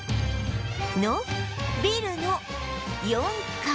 のビルの４階